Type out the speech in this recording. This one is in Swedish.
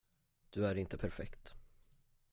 Du är inte perfekt!